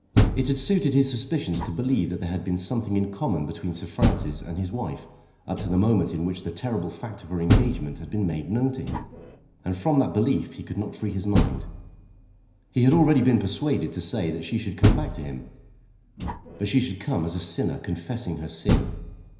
It had suited his suspicions to believe that there had been something in common between Sir Francis and his wife up to the moment in which the terrible fact of her engagement had been made known to him; and from that belief he could not free his mind. He had already been persuaded to say that she should come back to him; but she should come as a sinner confessing her sin.